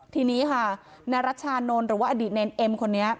ทีนี้ค่ะนายรัชชานนท์หรือว่าอดีตเนรเอ็มคนนี้